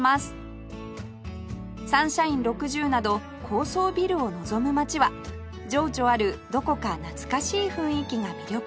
サンシャイン６０など高層ビルを望む街は情緒あるどこか懐かしい雰囲気が魅力